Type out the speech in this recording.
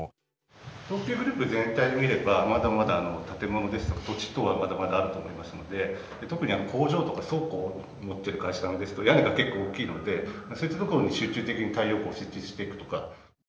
東急グループ全体で見ればまだまだ建物ですとか土地等はまだまだあると思いますので特に工場とか倉庫持ってる会社様ですと屋根が結構大きいのでそういったところに集中的に太陽光設置していくとか。